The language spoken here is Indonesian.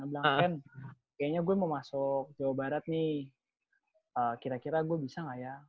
bilang kan kayaknya gue mau masuk jawa barat nih kira kira gue bisa nggak ya